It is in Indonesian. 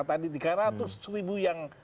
tadi tiga ratus ribu yang